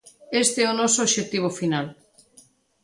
Este é o noso obxectivo final.